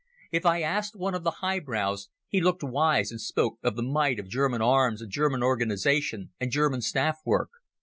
If I asked one of the highbrows he looked wise and spoke of the might of German arms and German organization and German staff work.